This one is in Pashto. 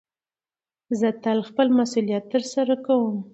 زه تل خپل مسئولیت ترسره کوم.